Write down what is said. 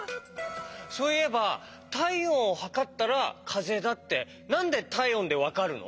そういえばたいおんをはかったらかぜだってなんでたいおんでわかるの？